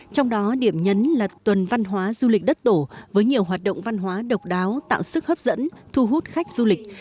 trong đó điểm nhấn là tuần văn hóa du lịch đất tổ với nhiều hoạt động văn hóa độc đáo tạo sức hấp dẫn thu hút khách du lịch